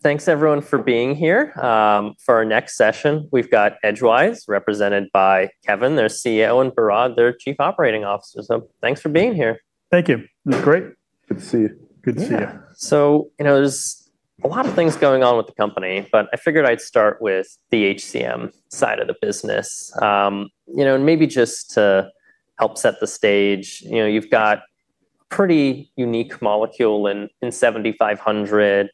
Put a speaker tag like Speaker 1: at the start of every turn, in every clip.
Speaker 1: Thanks everyone for being here. For our next session, we've got Edgewise, represented by Kevin, their CEO, and Behrad Derakhshan, their Chief Operating Officer. Thanks for being here.
Speaker 2: Thank you. Great.
Speaker 3: Good to see you.
Speaker 2: Good to see you.
Speaker 1: Yeah. There's a lot of things going on with the company, but I figured I'd start with the HCM side of the business. Maybe just to help set the stage, you've got pretty unique molecule in EDG-7500.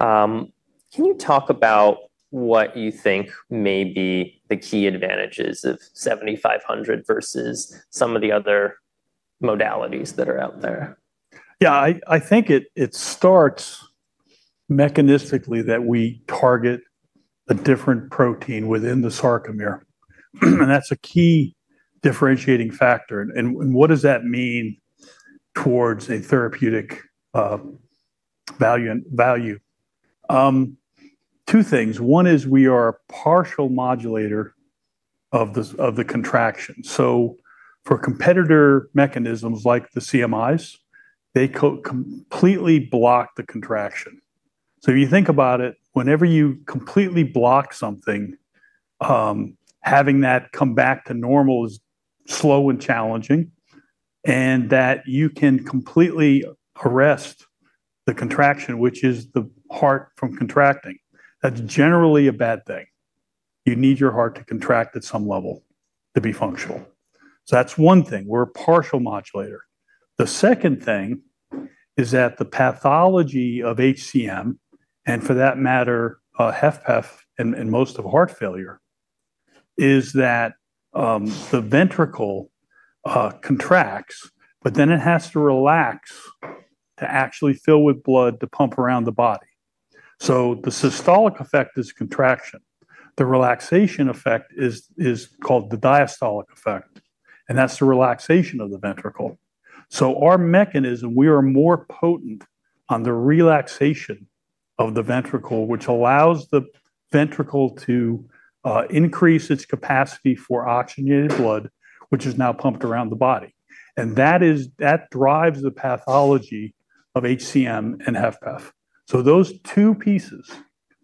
Speaker 1: Can you talk about what you think may be the key advantages of EDG-7500 versus some of the other modalities that are out there?
Speaker 2: Yeah, I think it starts mechanistically that we target a different protein within the sarcomere. That's a key differentiating factor. What does that mean towards a therapeutic value? Two things. One is we are a partial modulator of the contraction. For competitor mechanisms like the CMIs, they completely block the contraction. If you think about it, whenever you completely block something, having that come back to normal is slow and challenging, and that you can completely arrest the contraction, which is the heart from contracting. That's generally a bad thing. You need your heart to contract at some level to be functional. That's one thing. We're a partial modulator. The second thing is that the pathology of HCM, and for that matter HFpEF in most of heart failure, is that the ventricle contracts, but then it has to relax to actually fill with blood to pump around the body. The systolic effect is contraction. The relaxation effect is called the diastolic effect, and that's the relaxation of the ventricle. Our mechanism, we are more potent on the relaxation of the ventricle, which allows the ventricle to increase its capacity for oxygenated blood, which is now pumped around the body. That drives the pathology of HCM and HFpEF. Those two pieces,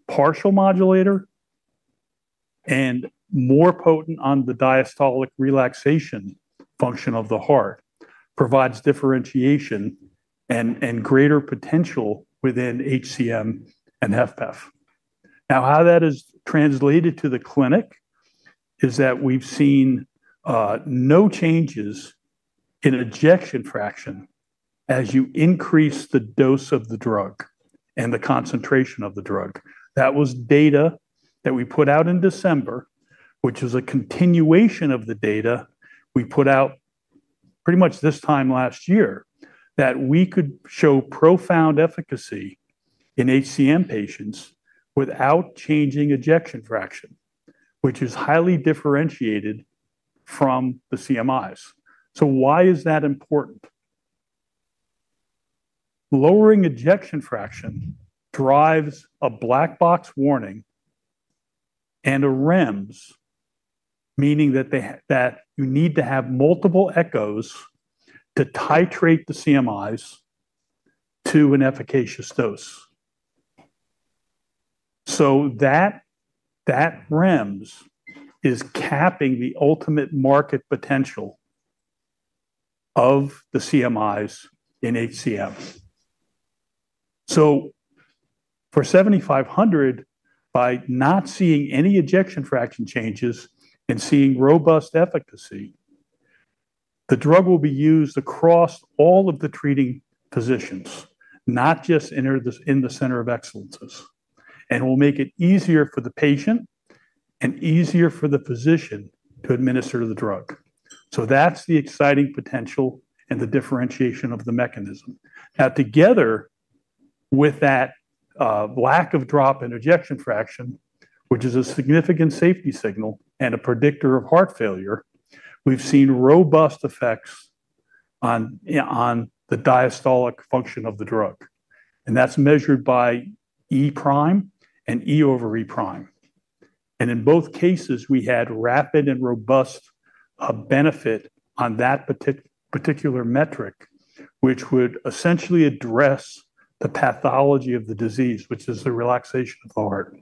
Speaker 2: partial modulator and more potent on the diastolic relaxation function of the heart, provides differentiation and greater potential within HCM and HFpEF. Now how that is translated to the clinic is that we've seen no changes in ejection fraction as you increase the dose of the drug and the concentration of the drug. That was data that we put out in December, which is a continuation of the data we put out pretty much this time last year, that we could show profound efficacy in HCM patients without changing ejection fraction, which is highly differentiated from the CMIs. Why is that important? Lowering ejection fraction drives a black box warning and a REMS, meaning that you need to have multiple echos to titrate the CMIs to an efficacious dose. That REMS is capping the ultimate market potential of the CMIs in HCM. For EDG-7500, by not seeing any ejection fraction changes and seeing robust efficacy, the drug will be used across all of the treating physicians, not just in the center of excellences, and will make it easier for the patient and easier for the physician to administer the drug. That's the exciting potential and the differentiation of the mechanism. Together with that lack of drop in ejection fraction, which is a significant safety signal and a predictor of heart failure, we've seen robust effects on the diastolic function of the drug, and that's measured by e' and E/e'. In both cases, we had rapid and robust benefit on that particular metric, which would essentially address the pathology of the disease, which is the relaxation of the heart.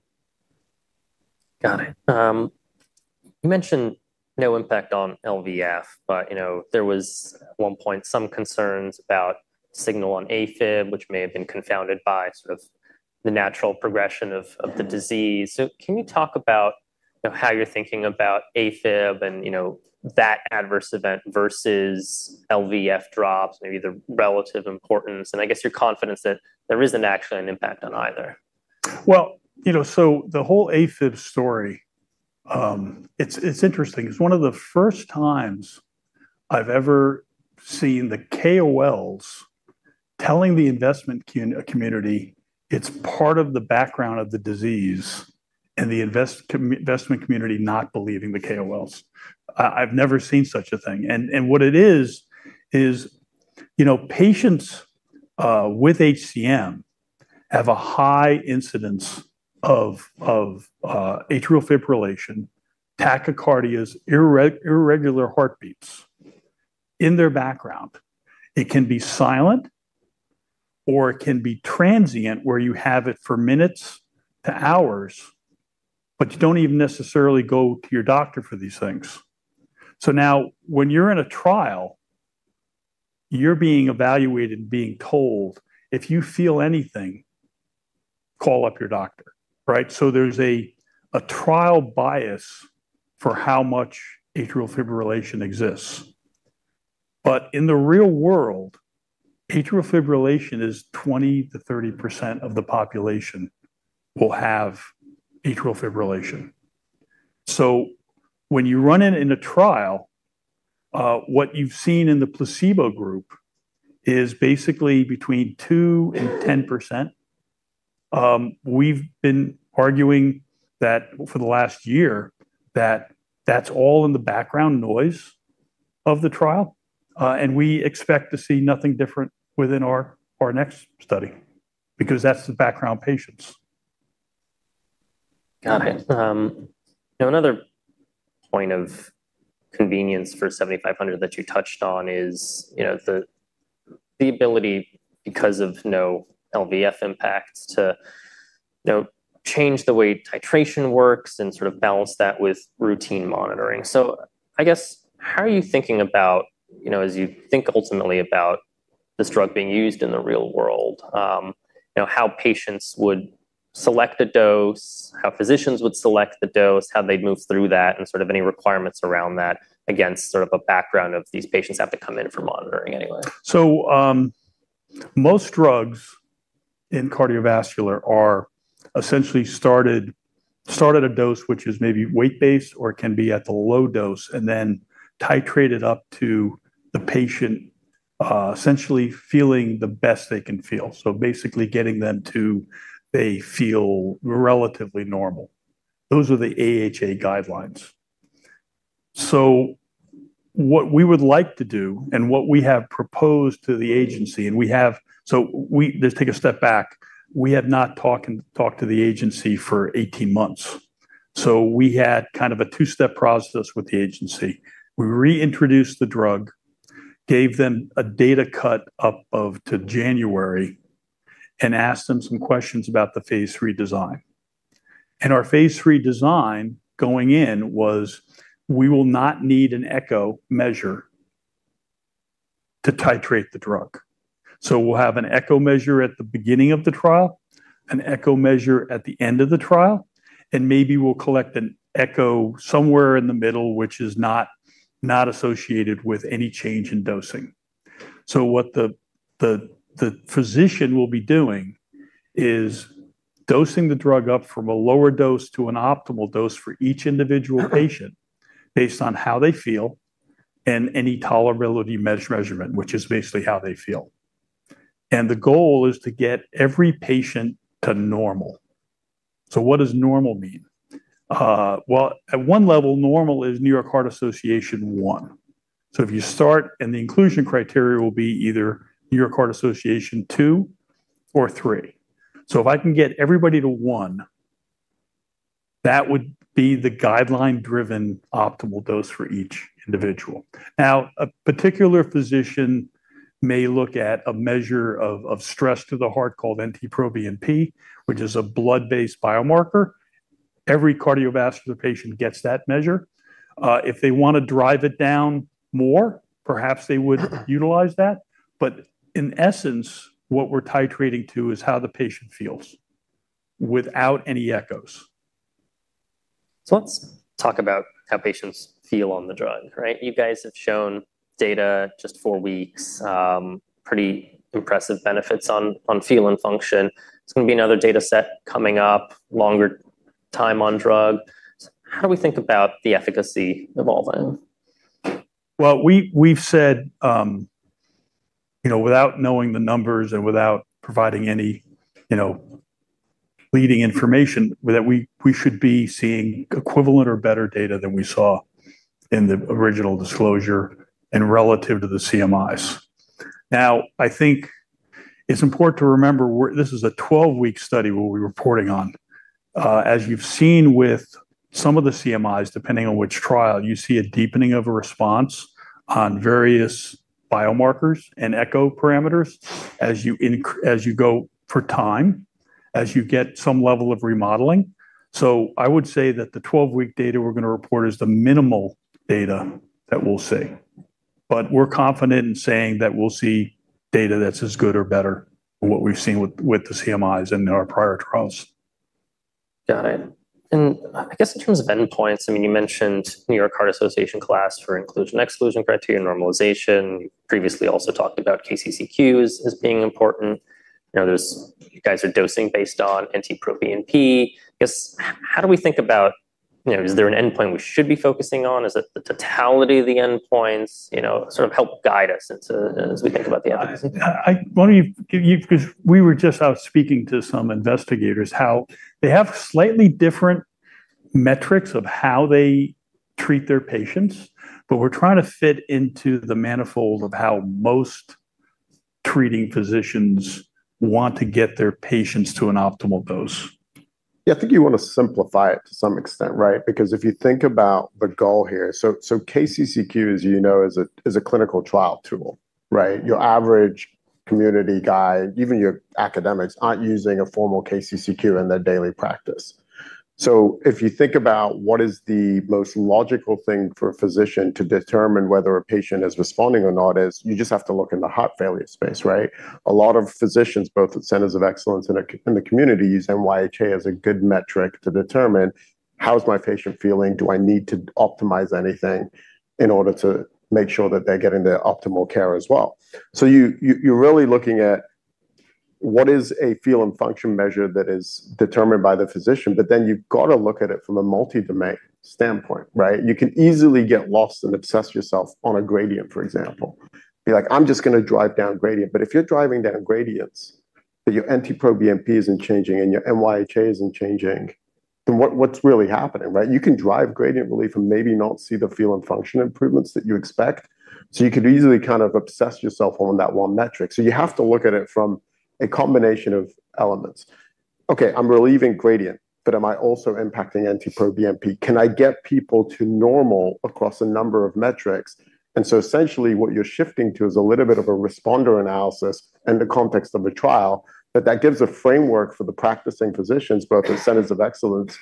Speaker 1: Got it. You mentioned no impact on LVEF, but there was at one point some concerns about signal on AFib, which may have been confounded by sort of the natural progression of the disease. Can you talk about how you're thinking about AFib and that adverse event versus LVEF drops, maybe the relative importance and I guess your confidence that there isn't actually an impact on either?
Speaker 2: The whole AFib story, it's interesting. It's one of the first times I've ever seen the KOLs telling the investment community it's part of the background of the disease, and the investment community not believing the KOLs. I've never seen such a thing. What it is patients with HCM have a high incidence of atrial fibrillation, tachycardias, irregular heartbeats in their background. It can be silent, or it can be transient, where you have it for minutes to hours, but you don't even necessarily go to your doctor for these things. Now when you're in a trial, you're being evaluated and being told, "If you feel anything, call up your doctor." There's a trial bias for how much atrial fibrillation exists. In the real world, atrial fibrillation is 20%-30% of the population will have atrial fibrillation. When you run it in a trial, what you've seen in the placebo group is basically between 2% and 10%. We've been arguing that for the last year that that's all in the background noise of the trial. We expect to see nothing different within our next study, because that's the background patients.
Speaker 1: Got it. Another point of convenience for EDG-7500 that you touched on is the ability, because of no LVEF impact, to change the way titration works and sort of balance that with routine monitoring. I guess, how are you thinking about, as you think ultimately about this drug being used in the real world, how patients would select a dose, how physicians would select the dose, how they'd move through that, and any requirements around that against sort of a background of these patients have to come in for monitoring anyway?
Speaker 2: Most drugs in cardiovascular are essentially started a dose which is maybe weight-based or it can be at the low dose, and then titrated up to the patient essentially feeling the best they can feel. Basically getting them to they feel relatively normal. Those are the AHA guidelines. What we would like to do and what we have proposed to the agency. Let's take a step back. We had not talked to the agency for 18 months. We had kind of a two-step process with the agency. We reintroduced the drug, gave them a data cut-up of to January, and asked them some questions about the Phase III design. Our Phase III design going in was we will not need an echo measure to titrate the drug. We'll have an echo measure at the beginning of the trial, an echo measure at the end of the trial, and maybe we'll collect an echo somewhere in the middle, which is not associated with any change in dosing. What the physician will be doing is dosing the drug up from a lower dose to an optimal dose for each individual patient based on how they feel and any tolerability measurement, which is basically how they feel. The goal is to get every patient to normal. What does normal mean? Well, at 1 level, normal is New York Heart Association one. If you start, and the inclusion criteria will be either New York Heart Association two or three. If I can get everybody to one, that would be the guideline-driven optimal dose for each individual. A particular physician may look at a measure of stress to the heart called NT-proBNP, which is a blood-based biomarker. Every cardiovascular patient gets that measure. If they want to drive it down more, perhaps they would utilize that. In essence, what we're titrating to is how the patient feels without any echos.
Speaker 1: Let's talk about how patients feel on the drug. You guys have shown data just four weeks, pretty impressive benefits on feel and function. There's going to be another data set coming up, longer time on drug. How do we think about the efficacy evolving?
Speaker 2: Well, we've said, without knowing the numbers and without providing any leading information, that we should be seeing equivalent or better data than we saw in the original disclosure and relative to the CMIs. I think it's important to remember, this is a 12-week study we'll be reporting on. As you've seen with some of the CMIs, depending on which trial, you see a deepening of a response on various biomarkers and echo parameters as you go for time, as you get some level of remodeling. I would say that the 12-week data we're going to report is the minimal data that we'll see. We're confident in saying that we'll see data that's as good or better than what we've seen with the CMIs in our prior trials.
Speaker 1: Got it. In terms of endpoints, you mentioned New York Heart Association class for inclusion, exclusion criteria, normalization. You previously also talked about KCCQs as being important. Those guys are dosing based on NT-proBNP. How do we think about, is there an endpoint we should be focusing on? Is it the totality of the endpoints? Sort of help guide us as we think about the efficacy.
Speaker 2: We were just out speaking to some investigators how they have slightly different metrics of how they treat their patients, but we're trying to fit into the manifold of how most treating physicians want to get their patients to an optimal dose.
Speaker 3: I think you want to simplify it to some extent, right? If you think about the goal here, KCCQ, as you know, is a clinical trial tool, right? Your average community guy, even your academics, aren't using a formal KCCQ in their daily practice. If you think about what is the most logical thing for a physician to determine whether a patient is responding or not is you just have to look in the heart failure space, right? A lot of physicians, both at centers of excellence and in the community, use NYHA as a good metric to determine how is my patient feeling, do I need to optimize anything in order to make sure that they're getting their optimal care as well. You're really looking at what is a feel and function measure that is determined by the physician, but then you've got to look at it from a multi-domain standpoint, right? You can easily get lost and obsess yourself on a gradient, for example. Be like, "I'm just going to drive down gradient." If you're driving down gradients but your NT-proBNP isn't changing and your NYHA isn't changing, then what's really happening, right? You can drive gradient relief and maybe not see the feel and function improvements that you expect. You could easily kind of obsess yourself on that one metric. You have to look at it from a combination of elements. Okay, I'm relieving gradient, but am I also impacting NT-proBNP? Can I get people to normal across a number of metrics? Essentially what you're shifting to is a little bit of a responder analysis in the context of a trial, but that gives a framework for the practicing physicians, both in centers of excellence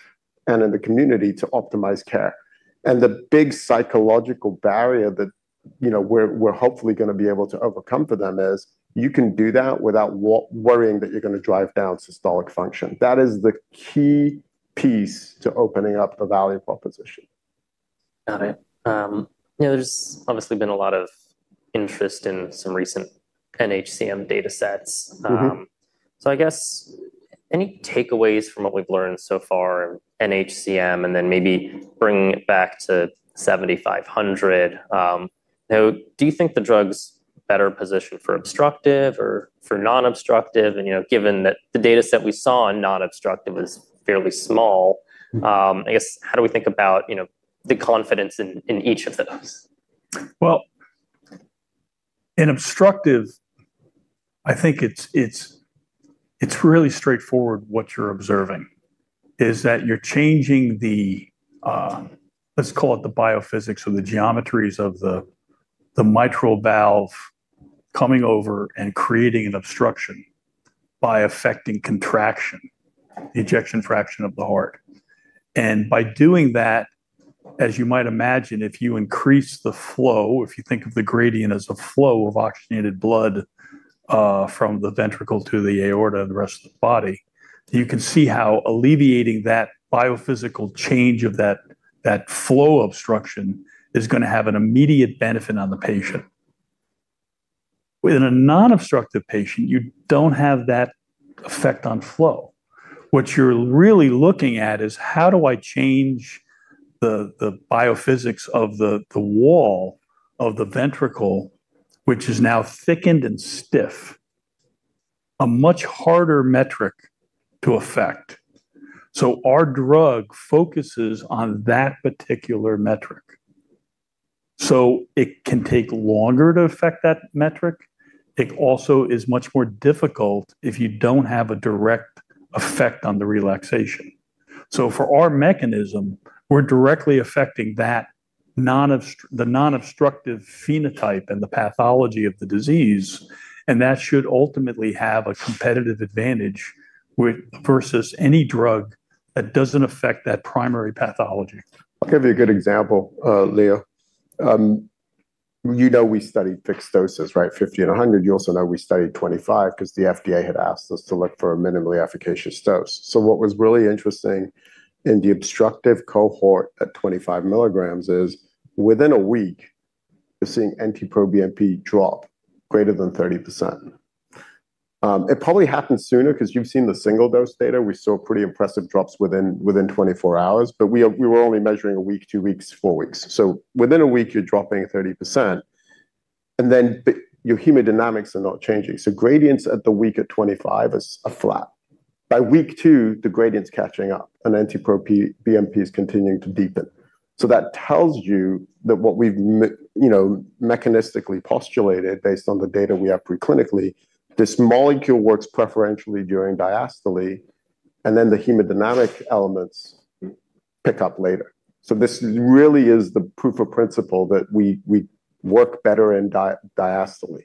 Speaker 3: and in the community, to optimize care. The big psychological barrier that we're hopefully going to be able to overcome for them is you can do that without worrying that you're going to drive down systolic function. That is the key piece to opening up the value proposition.
Speaker 1: Got it. There's obviously been a lot of interest in some recent nHCM data sets. I guess any takeaways from what we've learned so far in nHCM and then maybe bringing it back to EDG-7500. Do you think the drug's better positioned for obstructive or for non-obstructive and given that the data set we saw in non-obstructive was fairly small, I guess how do we think about the confidence in each of those?
Speaker 2: Well, in obstructive, I think it's really straightforward what you're observing is that you're changing the, let's call it the biophysics or the geometries of the mitral valve coming over and creating an obstruction by affecting contraction, ejection fraction of the heart. By doing that, as you might imagine, if you increase the flow, if you think of the gradient as a flow of oxygenated blood from the ventricle to the aorta and the rest of the body, you can see how alleviating that biophysical change of that flow obstruction is going to have an immediate benefit on the patient. In a non-obstructive patient, you don't have that effect on flow. What you're really looking at is how do I change the biophysics of the wall of the ventricle which is now thickened and stiff, a much harder metric to affect. Our drug focuses on that particular metric. It can take longer to affect that metric. It also is much more difficult if you don't have a direct effect on the relaxation. For our mechanism, we're directly affecting the non-obstructive phenotype and the pathology of the disease, and that should ultimately have a competitive advantage versus any drug that doesn't affect that primary pathology.
Speaker 3: I'll give you a good example, Leo. You know we studied fixed doses, right? 50 and 100. You also know we studied 25 because the FDA had asked us to look for a minimally efficacious dose. What was really interesting in the obstructive cohort at 25 milligrams is within a week, you're seeing NT-proBNP drop greater than 30%. It probably happened sooner because you've seen the single-dose data. We saw pretty impressive drops within 24 hours, but we were only measuring a week, two weeks, four weeks. Within a week you're dropping 30%, and then your hemodynamics are not changing. Gradients at the week at 25 are flat. By week two, the gradient's catching up and NT-proBNP is continuing to deepen. That tells you that what we've mechanistically postulated based on the data we have pre-clinically, this molecule works preferentially during diastole, and then the hemodynamic elements pick up later. This really is the proof of principle that we work better in diastole.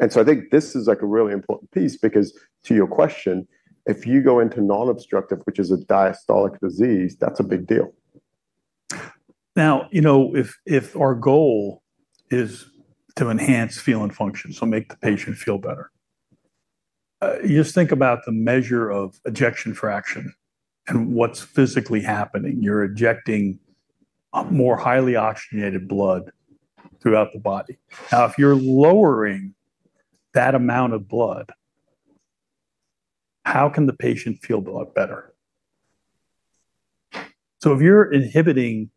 Speaker 3: I think this is a really important piece because to your question, if you go into non-obstructive, which is a diastolic disease, that's a big deal.
Speaker 2: If our goal is to enhance feel and function, so make the patient feel better, just think about the measure of ejection fraction and what's physically happening. You're ejecting more highly oxygenated blood throughout the body. If you're lowering that amount of blood, how can the patient feel a lot better? If you're inhibiting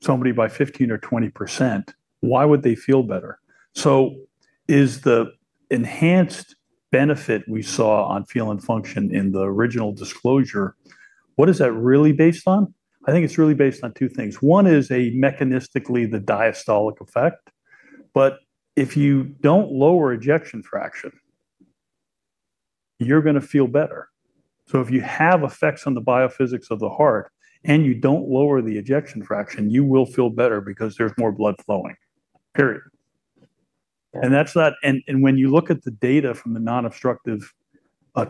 Speaker 2: somebody by 15% or 20%, why would they feel better? Is the enhanced benefit we saw on feel and function in the original disclosure, what is that really based on? I think it's really based on two things. One is mechanistically the diastolic effect, but if you don't lower ejection fraction, you're going to feel better. If you have effects on the biophysics of the heart and you don't lower the ejection fraction, you will feel better because there's more blood flowing, period. When you look at the data from the non-obstructive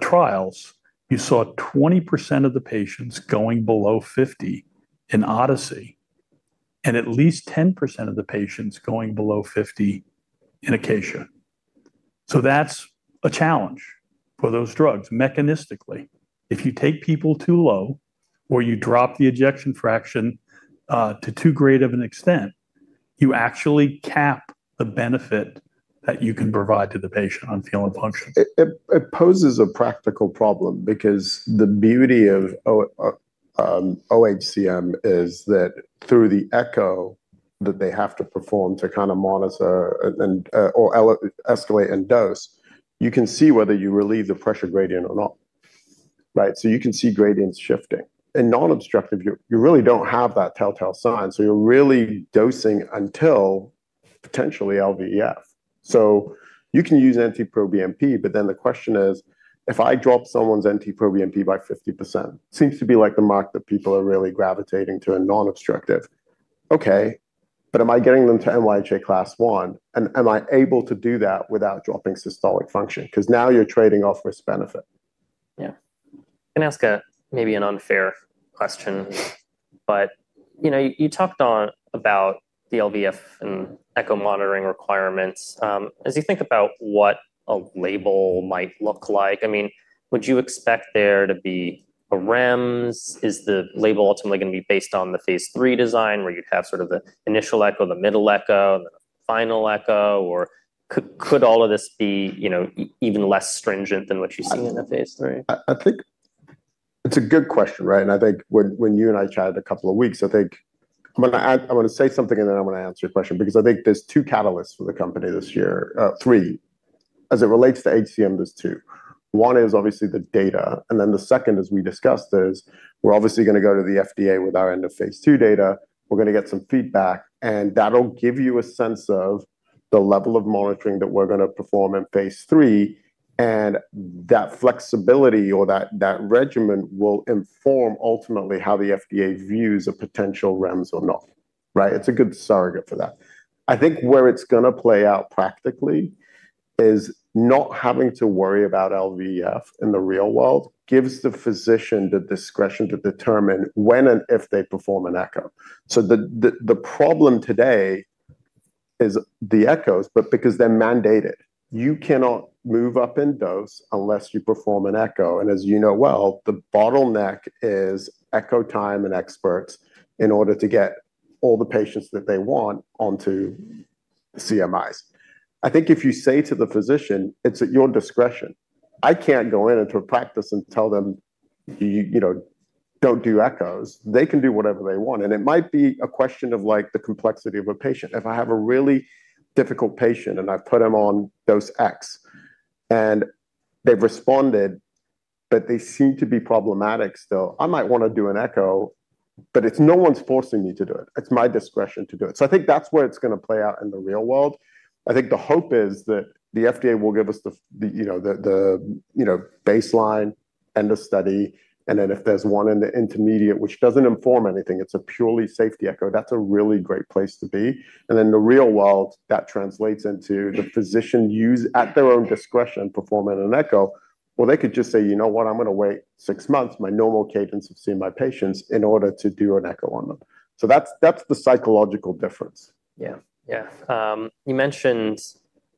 Speaker 2: trials, you saw 20% of the patients going below 50 in ODYSSEY-HCM, and at least 10% of the patients going below 50 in ACACIA-HCM. That's a challenge for those drugs mechanistically. If you take people too low or you drop the ejection fraction to too great of an extent, you actually cap the benefit that you can provide to the patient on feel and function.
Speaker 3: It poses a practical problem because the beauty of OHCM is that through the echo that they have to perform to kind of monitor or escalate and dose, you can see whether you relieve the pressure gradient or not, right? You can see gradients shifting. In non-obstructive, you really don't have that telltale sign, you're really dosing until potentially LVEF. You can use NT-proBNP, but then the question is, if I drop someone's NT-proBNP by 50%, seems to be like the mark that people are really gravitating to in non-obstructive. Am I getting them to NYHA Class 1 and am I able to do that without dropping systolic function? Now you're trading off risk benefit.
Speaker 1: Yeah. Can I ask maybe an unfair question, but you talked about the LVEF and echo monitoring requirements. As you think about what a label might look like, would you expect there to be a REMS? Is the label ultimately going to be based on the Phase III design where you'd have sort of the initial echo, the middle echo, then the final echo? Could all of this be even less stringent than what you're seeing in the Phase III?
Speaker 3: I think it's a good question, right? I think when you and I chatted a couple of weeks, I think I want to say something and then I want to answer your question because I think there's two catalysts for the company this year. Three. As it relates to HCM, there's two. One is obviously the data, and then the second as we discussed is we're obviously going to go to the FDA with our end-of-Phase II data. We're going to get some feedback, and that'll give you a sense of the level of monitoring that we're going to perform in Phase III. That flexibility or that regimen will inform ultimately how the FDA views a potential REMS or not. Right? It's a good surrogate for that. I think where it's going to play out practically is not having to worry about LVEF in the real world gives the physician the discretion to determine when and if they perform an echo. The problem today is the echos, but because they're mandated. You cannot move up in dose unless you perform an echo. As you know well, the bottleneck is echo time and experts in order to get all the patients that they want onto CMIs. I think if you say to the physician, "It's at your discretion," I can't go into a practice and tell them, "Don't do echos." They can do whatever they want. It might be a question of the complexity of a patient. If I have a really difficult patient and I've put him on dose X and they've responded, but they seem to be problematic still, I might want to do an echo, but no one's forcing me to do it. It's my discretion to do it. I think that's where it's going to play out in the real world. I think the hope is that the FDA will give us the baseline end of study, and then if there's one in the intermediate which doesn't inform anything, it's a purely safety echo, that's a really great place to be. In the real world, that translates into the physician use at their own discretion performing an echo, or they could just say, "You know what, I'm going to wait six months, my normal cadence of seeing my patients, in order to do an echo on them." That's the psychological difference.
Speaker 1: Yeah. You mentioned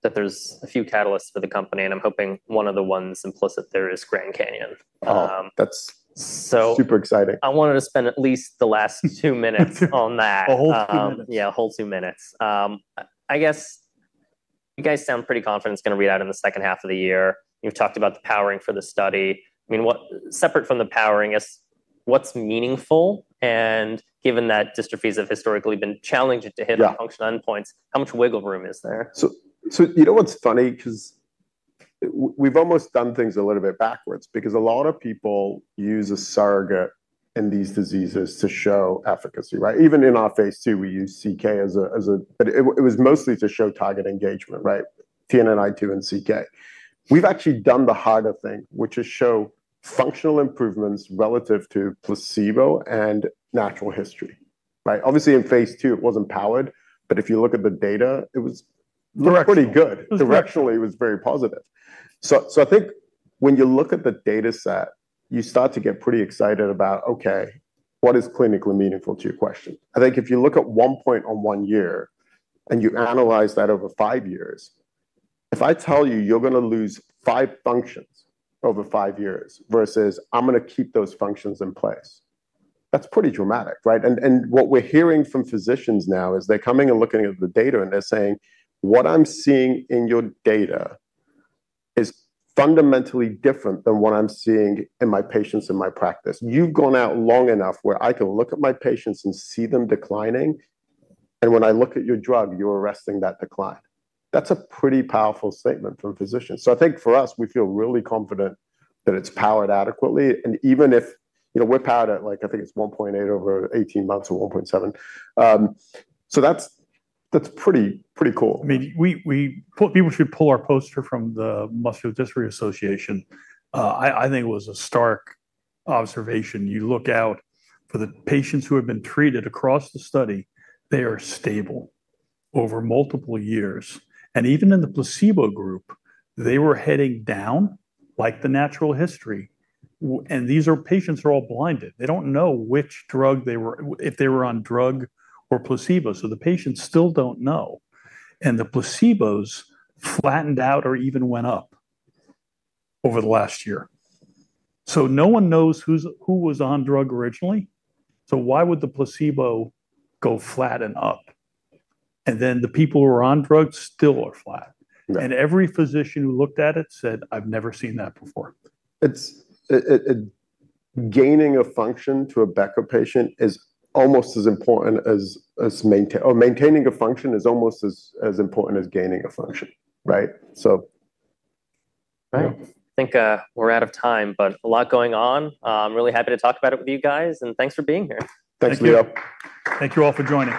Speaker 1: that there's a few catalysts for the company, and I'm hoping one of the ones implicit there is Grand Canyon.
Speaker 3: Oh, that's super exciting.
Speaker 1: I wanted to spend at least the last two minutes on that.
Speaker 3: A whole two minutes.
Speaker 1: Yeah, a whole two minutes. I guess you guys sound pretty confident it's going to read out in the 2nd half of the year. You've talked about the powering for the study. Separate from the powering, what's meaningful, and given that dystrophies have historically been challenging to hit?
Speaker 3: Yeah
Speaker 1: function endpoints, how much wiggle room is there?
Speaker 3: You know what's funny? We've almost done things a little bit backwards because a lot of people use a surrogate in these diseases to show efficacy, right? Even in our phase II we used CK, but it was mostly to show target engagement, right? TnI and CK. We've actually done the harder thing, which is show functional improvements relative to placebo and natural history, right? Obviously in phase II it wasn't powered, but if you look at the data, it looked pretty good.
Speaker 2: Directionally.
Speaker 3: Directionally it was very positive. I think when you look at the data set, you start to get pretty excited about, okay, what is clinically meaningful to your question? I think if you look at one point on one year and you analyze that over five years, if I tell you you're going to lose five functions over five years versus I'm going to keep those functions in place, that's pretty dramatic, right? What we're hearing from physicians now is they're coming and looking at the data and they're saying, "What I'm seeing in your data is fundamentally different than what I'm seeing in my patients in my practice. You've gone out long enough where I can look at my patients and see them declining, and when I look at your drug, you're arresting that decline." That's a pretty powerful statement from physicians. I think for us, we feel really confident that it's powered adequately, and even if we're powered at, I think, it's 1.8 over 18 months or 1.7. That's pretty cool.
Speaker 2: People should pull our poster from the Muscular Dystrophy Association. I think it was a stark observation. You look out for the patients who have been treated across the study. They are stable over multiple years. Even in the placebo group, they were heading down like the natural history. These are patients who are all blinded. They don't know if they were on drug or placebo. The patients still don't know. The placebos flattened out or even went up over the last year. No one knows who was on drug originally, so why would the placebo go flat and up? The people who are on drugs still are flat.
Speaker 3: Yeah.
Speaker 2: Every physician who looked at it said, "I've never seen that before". Gaining a function for Becker patient is almost as important as, or maintaining a function is as important as gaining a function, right?
Speaker 1: I think we're out of time, but a lot going on. I'm really happy to talk about it with you guys, and thanks for being here.
Speaker 2: Thanks, Leo.
Speaker 1: Thank you. Thank you all for joining.